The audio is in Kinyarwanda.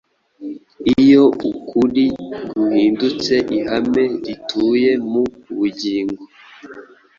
Iyo ukuri guhindutse ihame rituye mu bugingo,